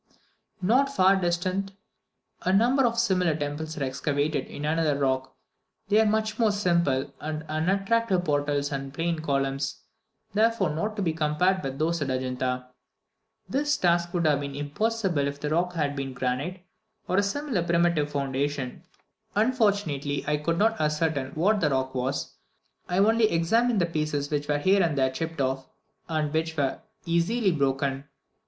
Not far distant, a number of similar temples are excavated in another rock. They are much more simple, with unattractive portals and plain columns; therefore, not to be compared with those at Adjunta. This task would have been impossible if the rock had been granite or a similar primitive foundation; unfortunately, I could not ascertain what the rock was, I only examined the pieces which were here and there chipped off, and which were very easily broken.